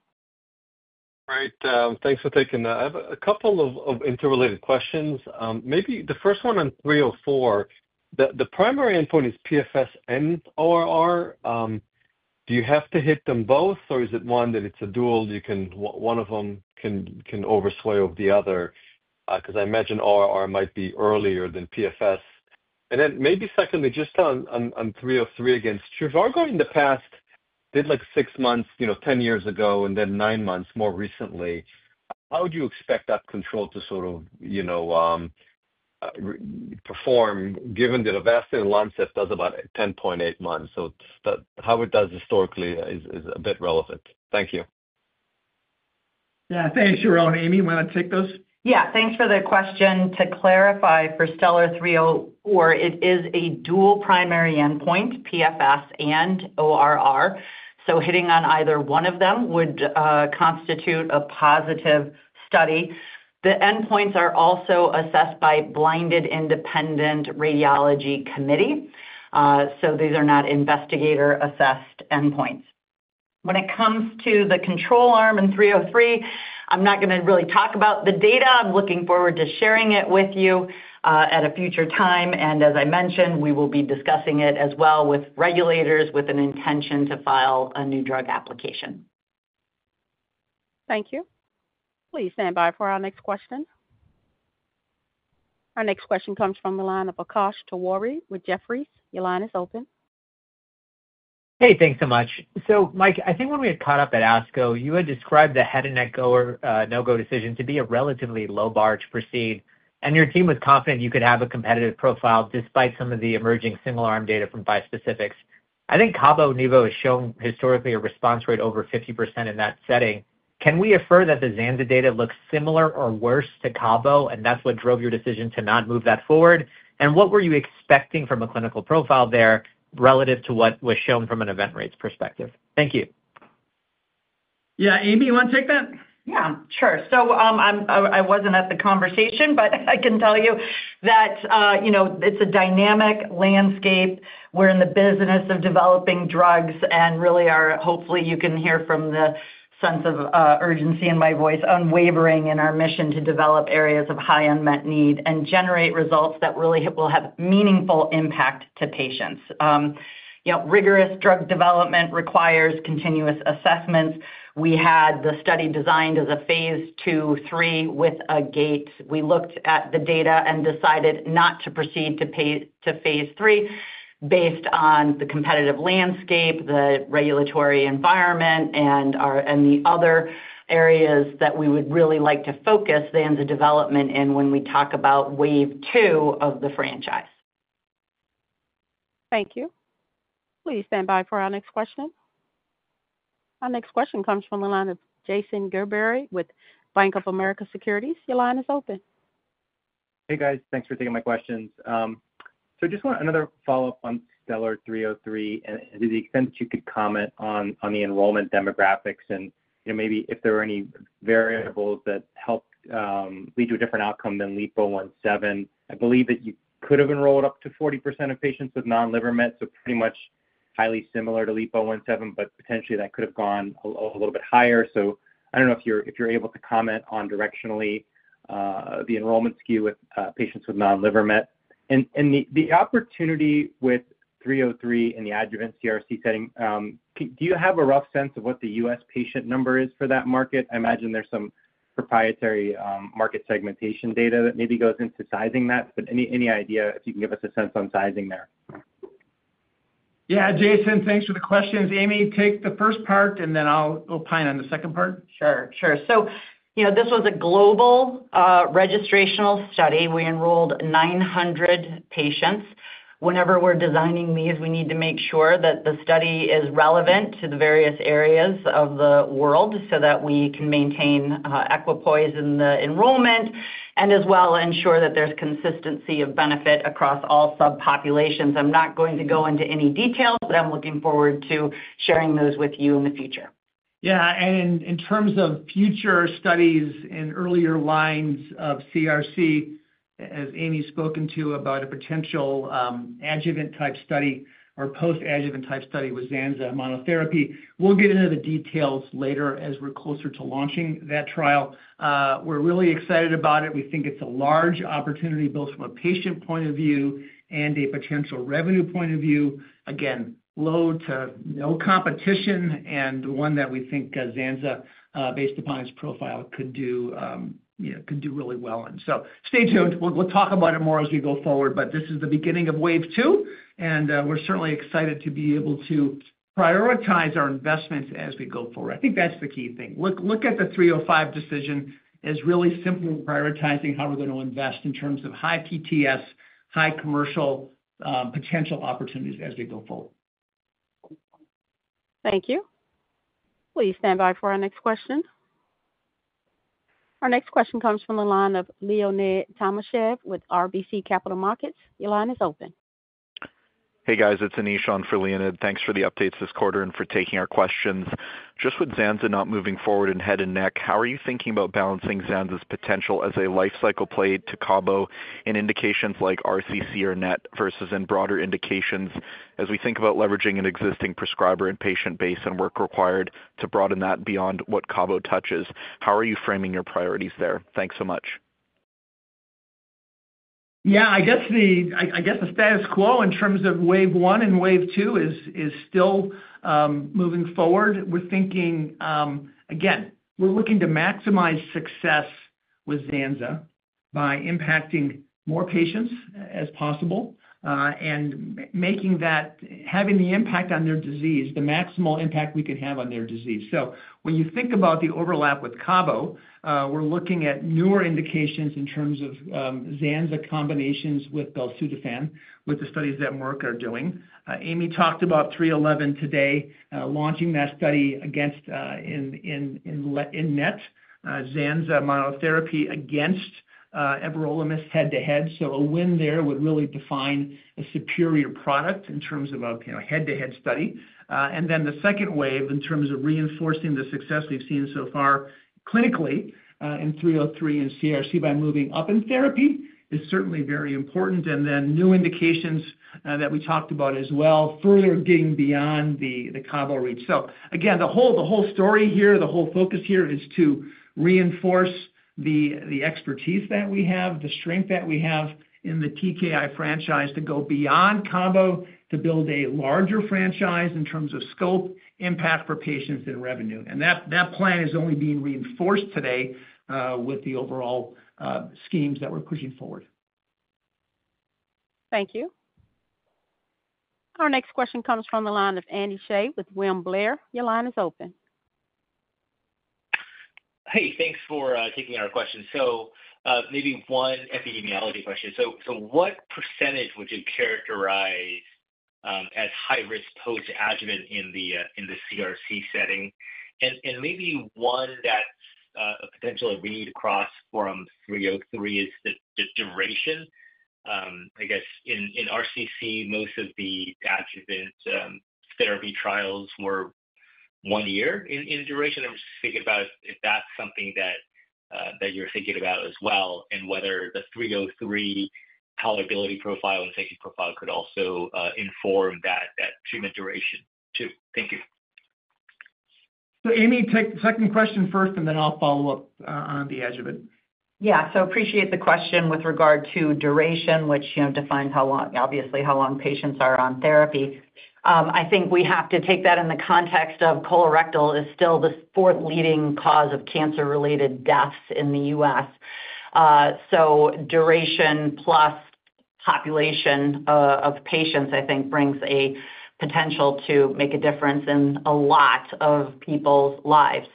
All right. Thanks for taking that. I have a couple of interrelated questions. Maybe the first one on 304. The primary endpoint is PFS and ORR. Do you have to hit them both, or is it one that it's a dual? One of them can oversway over the other? I imagine ORR might be earlier than PFS. Maybe secondly, just on 303 against regorafenib, in the past, did like six months, 10 years ago, and then nine months more recently. How would you expect that control to sort of perform, given that Avastin and lenvatinib does about 10.8 months? How it does historically is a bit relevant. Thank you. Yeah. Thanks, Yaron. Amy, you want to take those? Yeah. Thanks for the question. To clarify for STELLAR-304, it is a dual primary endpoint, PFS and ORR. Hitting on either one of them would constitute a positive study. The endpoints are also assessed by a blinded independent radiology committee. These are not investigator-assessed endpoints. When it comes to the control arm in 303, I'm not going to really talk about the data. I'm looking forward to sharing it with you at a future time. As I mentioned, we will be discussing it as well with regulators with an intention to file a new drug application. Thank you. Please stand by for our next question. Our next question comes from the line of Akash Tewari with Jefferies. Your line is open. Hey, thanks so much. Mike, I think when we had caught up at ASCO, you had described the head-and-no-go decision to be a relatively low bar to proceed. Your team was confident you could have a competitive profile despite some of the emerging single-arm data from bispecifics. I think carbo and Nivo have shown historically a response rate over 50% in that setting. Can we affirm that the zanza data looks similar or worse to carbo, and that is what drove your decision to not move that forward? What were you expecting from a clinical profile there relative to what was shown from an event rates perspective? Thank you. Yeah. Amy, you want to take that? Yeah. Sure. I wasn't at the conversation, but I can tell you that. It's a dynamic landscape. We're in the business of developing drugs and really are, hopefully, you can hear from the sense of urgency in my voice, unwavering in our mission to develop areas of high unmet need and generate results that really will have meaningful impact to patients. Rigorous drug development requires continuous assessments. We had the study designed as a phase 2-3 with a gate. We looked at the data and decided not to proceed to phase 3 based on the competitive landscape, the regulatory environment, and the other areas that we would really like to focus zanza development in when we talk about wave two of the franchise. Thank you. Please stand by for our next question. Our next question comes from the line of Jason Gerberry with Bank of America Securities. Your line is open. Hey guys. Thanks for taking my questions. Just another follow-up on STELLAR-303 and to the extent that you could comment on the enrollment demographics and maybe if there were any variables that helped lead to a different outcome than LEAP017. I believe that you could have enrolled up to 40% of patients with non-liver met, so pretty much highly similar to LEAP017, but potentially that could have gone a little bit higher. I do not know if you're able to comment on directionally. The enrollment skew with patients with non-liver met. The opportunity with 303 in the adjuvant CRC setting, do you have a rough sense of what the U.S. patient number is for that market? I imagine there's some proprietary market segmentation data that maybe goes into sizing that, but any idea if you can give us a sense on sizing there? Yeah. Jason, thanks for the questions. Amy, take the first part and then I'll opine on the second part. Sure. Sure. This was a global registrational study. We enrolled 900 patients. Whenever we're designing these, we need to make sure that the study is relevant to the various areas of the world so that we can maintain equipoise in the enrollment and as well ensure that there's consistency of benefit across all subpopulations. I'm not going to go into any details, but I'm looking forward to sharing those with you in the future. Yeah. In terms of future studies in earlier lines of CRC, as Amy's spoken to about a potential adjuvant-type study or post-adjuvant-type study with zanza monotherapy, we'll get into the details later as we're closer to launching that trial. We're really excited about it. We think it's a large opportunity both from a patient point of view and a potential revenue point of view. Again, low to no competition and one that we think zanza, based upon its profile, could do really well in. Stay tuned. We'll talk about it more as we go forward, but this is the beginning of wave two. We're certainly excited to be able to prioritize our investments as we go forward. I think that's the key thing. Look at the 305 decision as really simply prioritizing how we're going to invest in terms of high PTS, high commercial potential opportunities as we go forward. Thank you. Please stand by for our next question. Our next question comes from the line of Leonid Timashev with RBC Capital Markets. Your line is open. Hey guys, it's Anish on for Leonid. Thanks for the updates this quarter and for taking our questions. Just with zanza not moving forward in head and neck, how are you thinking about balancing zanza's potential as a life cycle play to cabo in indications like RCC or NET versus in broader indications as we think about leveraging an existing prescriber and patient base and work required to broaden that beyond what cabo touches? How are you framing your priorities there? Thanks so much. Yeah. I guess the status quo in terms of wave one and wave two is still moving forward. We're thinking, again, we're looking to maximize success with zanza by impacting more patients as possible and making that, having the impact on their disease, the maximal impact we can have on their disease. When you think about the overlap with carbo, we're looking at newer indications in terms of zanza combinations with belzutifan with the studies that Merck are doing. Amy talked about 311 today, launching that study against, in NET, zanza monotherapy against everolimus head-to-head. A win there would really define a superior product in terms of a head-to-head study. The second wave in terms of reinforcing the success we've seen so far clinically in 303 and CRC by moving up in therapy is certainly very important. New indications that we talked about as well, further getting beyond the carbo reach. Again, the whole story here, the whole focus here is to reinforce the expertise that we have, the strength that we have in the TKI franchise to go beyond carbo to build a larger franchise in terms of scope, impact for patients, and revenue. That plan is only being reinforced today with the overall schemes that we're pushing forward. Thank you. Our next question comes from the line of Andy Hsieh with William Blair. Your line is open. Hey, thanks for taking our questions. Maybe one epidemiology question. What percentage would you characterize as high-risk post-adjuvant in the CRC setting? Maybe one that's a potential read across from 303 is the duration. I guess in RCC, most of the adjuvant therapy trials were one year in duration. I'm just thinking about if that's something that you're thinking about as well and whether the 303 tolerability profile and safety profile could also inform that treatment duration. Thank you. Amy, take the second question first, and then I'll follow up on the adjuvant. Yeah. Appreciate the question with regard to duration, which defines how long, obviously, how long patients are on therapy. I think we have to take that in the context of colorectal is still the fourth leading cause of cancer-related deaths in the U.S. Duration plus population of patients, I think, brings a potential to make a difference in a lot of people's lives.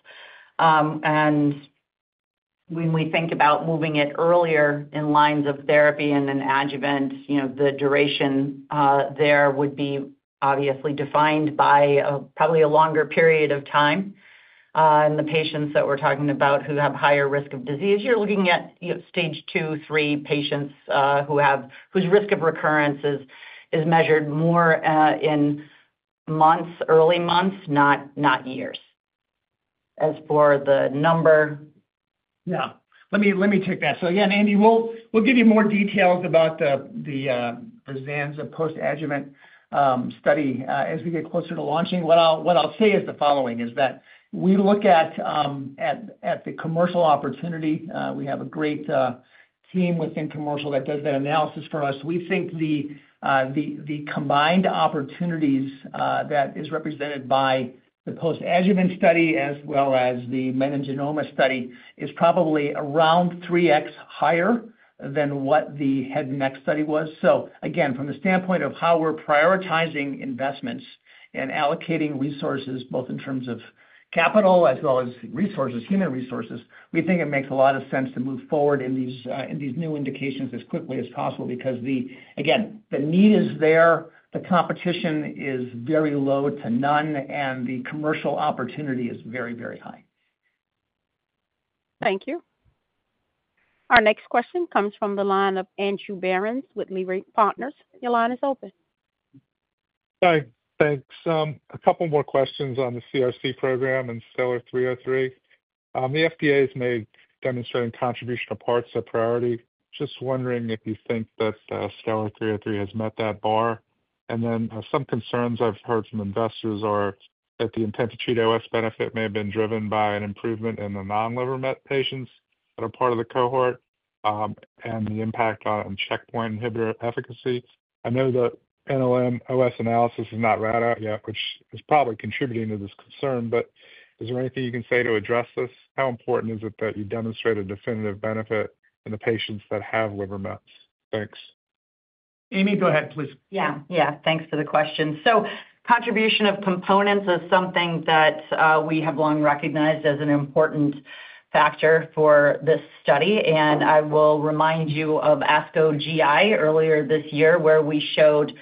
When we think about moving it earlier in lines of therapy and in adjuvant, the duration there would be obviously defined by probably a longer period of time. The patients that we're talking about who have higher risk of disease, you're looking at stage two, three patients whose risk of recurrence is measured more in months, early months, not years. As for the number. Yeah. Let me take that. So again, Andy, we'll give you more details about the zanza post-adjuvant study as we get closer to launching. What I'll say is the following: we look at the commercial opportunity. We have a great team within commercial that does that analysis for us. We think the combined opportunities that is represented by the post-adjuvant study as well as the meningioma study is probably around 3x higher than what the head-to-neck study was. Again, from the standpoint of how we're prioritizing investments and allocating resources both in terms of capital as well as human resources, we think it makes a lot of sense to move forward in these new indications as quickly as possible because, again, the need is there, the competition is very low to none, and the commercial opportunity is very, very high. Thank you. Our next question comes from the line of Andrew Berens with Leerink Partners. Your line is open. Hi. Thanks. A couple more questions on the CRC program and STELLAR-303. The FDA has made demonstrating contribution of parts a priority. Just wondering if you think that STELLAR-303 has met that bar. Some concerns I've heard from investors are that the intent-to-treat OS benefit may have been driven by an improvement in the non-liver met patients that are part of the cohort, and the impact on checkpoint inhibitor efficacy. I know that NLM OS analysis is not read out yet, which is probably contributing to this concern, but is there anything you can say to address this? How important is it that you demonstrate a definitive benefit in the patients that have liver mets? Thanks. Amy, go ahead, please. Yeah. Yeah. Thanks for the question. Contribution of components is something that we have long recognized as an important factor for this study. I will remind you of ASCO GI earlier this year where we showed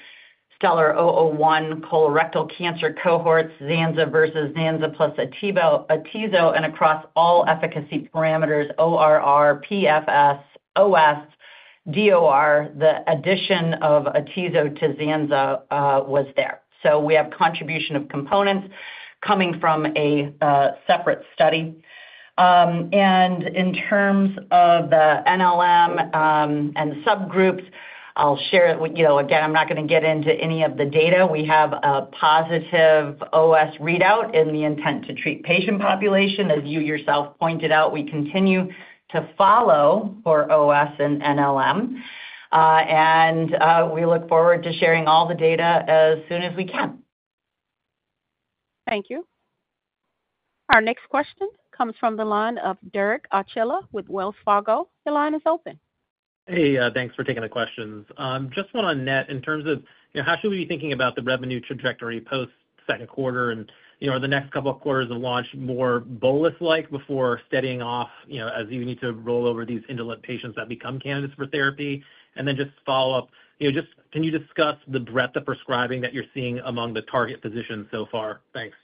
STELLAR-001 colorectal cancer cohorts, zanza versus zanza plus atezo, and across all efficacy parameters, ORR, PFS, OS, DOR, the addition of atezo to zanza was there. We have contribution of components coming from a separate study. In terms of the NLM and subgroups, I'll share it. Again, I'm not going to get into any of the data. We have a positive OS readout in the intent-to-treat patient population. As you yourself pointed out, we continue to follow for OS and NLM. We look forward to sharing all the data as soon as we can. Thank you. Our next question comes from the line of Derek Archila with Wells Fargo. Your line is open. Hey, thanks for taking the questions. Just want to net in terms of how should we be thinking about the revenue trajectory post-second quarter and are the next couple of quarters of launch more bolus-like before steadying off as you need to roll over these indolent patients that become candidates for therapy? Just follow-up, can you discuss the breadth of prescribing that you're seeing among the target physicians so far? Thanks.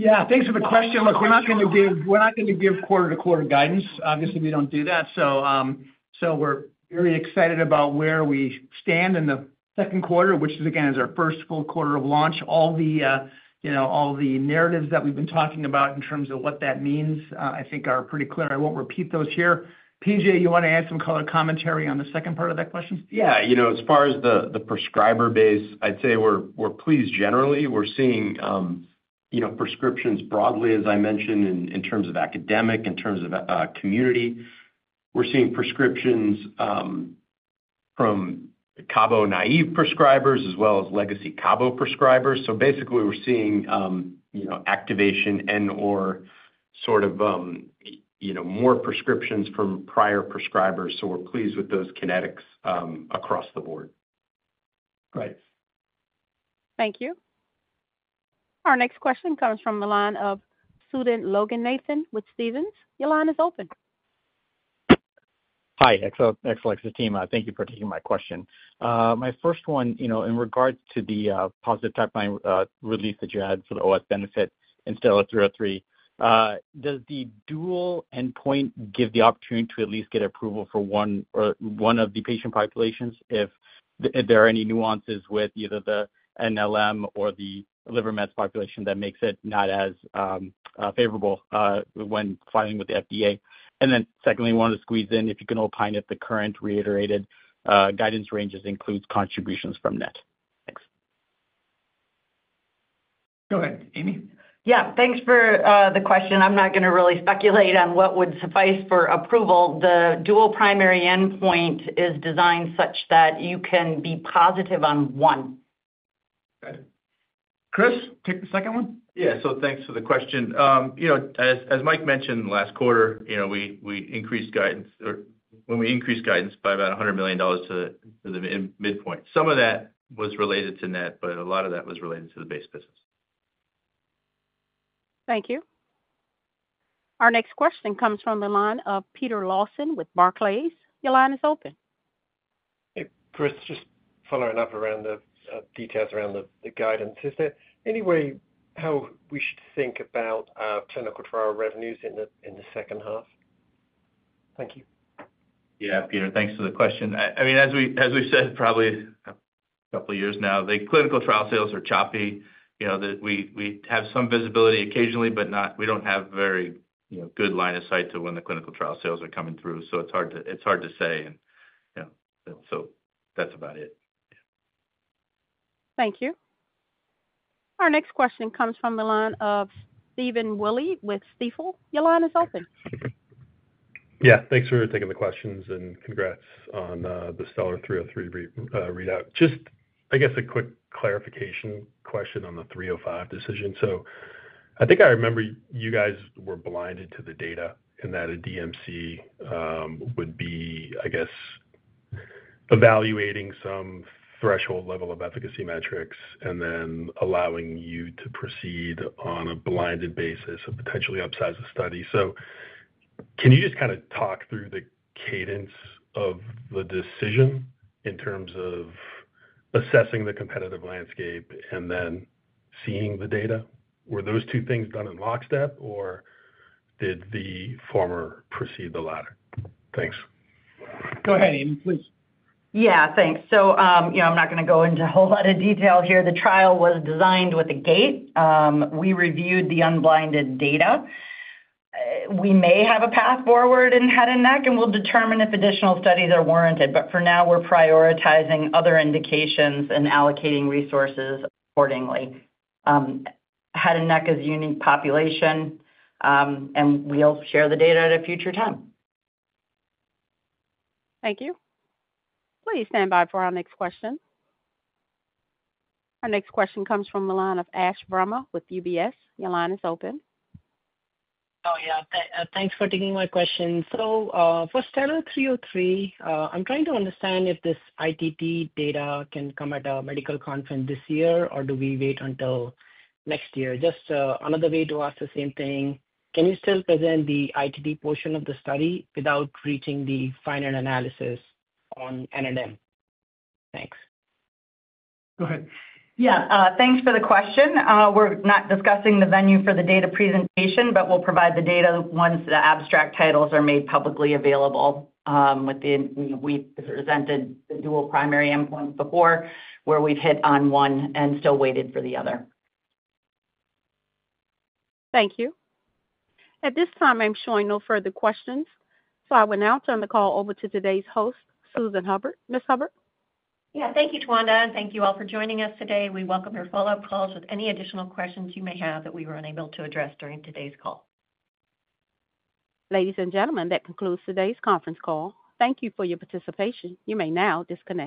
Yeah. Thanks for the question. Look, we're not going to give quarter-to-quarter guidance. Obviously, we don't do that. We are very excited about where we stand in the second quarter, which is, again, our first full quarter of launch. All the narratives that we've been talking about in terms of what that means, I think, are pretty clear. I won't repeat those here. P.J., you want to add some color commentary on the second part of that question? Yeah. As far as the prescriber base, I'd say we're pleased generally. We're seeing prescriptions broadly, as I mentioned, in terms of academic, in terms of community. We're seeing prescriptions from cabo naive prescribers as well as legacy cabo prescribers. Basically, we're seeing activation and/or sort of more prescriptions from prior prescribers. We're pleased with those kinetics across the board. Right. Thank you. Our next question comes from the line of student Logan Nathan with Stephens. Your line is open. Hi, Exelixis team. Thank you for taking my question. My first one, in regards to the positive pipeline release that you had for the OS benefit in STELLAR-303. Does the dual primary endpoint give the opportunity to at least get approval for one of the patient populations if there are any nuances with either the NLM or the liver mets population that makes it not as favorable when filing with the FDA? Secondly, I want to squeeze in if you can opine if the current reiterated guidance ranges include contributions from NET. Thanks. Go ahead, Amy. Yeah. Thanks for the question. I'm not going to really speculate on what would suffice for approval. The dual primary endpoint is designed such that you can be positive on one. Okay. Chris, take the second one. Yeah. So thanks for the question. As Mike mentioned, last quarter, we increased guidance when we increased guidance by about $100 million to the midpoint. Some of that was related to net, but a lot of that was related to the base business. Thank you. Our next question comes from the line of Peter Lawson with Barclays. Your line is open. Hey, Chris, just following up around the details around the guidance. Is there any way how we should think about clinical trial revenues in the second half? Thank you. Yeah, Peter, thanks for the question. I mean, as we've said probably a couple of years now, the clinical trial sales are choppy. We have some visibility occasionally, but we don't have very good line of sight to when the clinical trial sales are coming through. It's hard to say. That's about it. Thank you. Our next question comes from the line of Stephen Willey with Stifel. Your line is open. Yeah. Thanks for taking the questions and congrats on the STELLAR-303 readout. Just, I guess, a quick clarification question on the 305 decision. I think I remember you guys were blinded to the data and that a DMC would be, I guess, evaluating some threshold level of efficacy metrics and then allowing you to proceed on a blinded basis and potentially upsize the study. Can you just kind of talk through the cadence of the decision in terms of assessing the competitive landscape and then seeing the data? Were those two things done in lockstep, or did the former precede the latter? Thanks. Go ahead, Amy, please. Yeah, thanks. I'm not going to go into a whole lot of detail here. The trial was designed with a gate. We reviewed the unblinded data. We may have a path forward in head and neck, and we'll determine if additional studies are warranted. For now, we're prioritizing other indications and allocating resources accordingly. Head and neck is a unique population. We'll share the data at a future time. Thank you. Please stand by for our next question. Our next question comes from the line of Ash Verma with UBS. Your line is open. Oh, yeah. Thanks for taking my question. For STELLAR-303, I'm trying to understand if this ITT data can come at a medical conference this year, or do we wait until next year? Just another way to ask the same thing. Can you still present the ITT portion of the study without reaching the final analysis on NLM? Thanks. Go ahead. Yeah. Thanks for the question. We're not discussing the venue for the data presentation, but we'll provide the data once the abstract titles are made publicly available. We've presented the dual primary endpoint before where we've hit on one and still waited for the other. Thank you. At this time, I'm showing no further questions. I will now turn the call over to today's host, Susan Hubbard. Ms. Hubbard? Yeah. Thank you, Tawanda. Thank you all for joining us today. We welcome your follow-up calls with any additional questions you may have that we were unable to address during today's call. Ladies and gentlemen, that concludes today's conference call. Thank you for your participation. You may now disconnect.